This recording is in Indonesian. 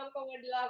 tiga puluh sembilan